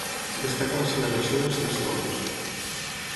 Destaca la celebració dels Tres Tombs.